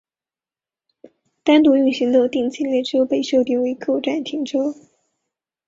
单独运行的定期列车被设定为各站停车。